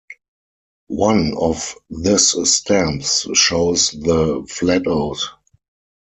One of this stamps shows the Flatows.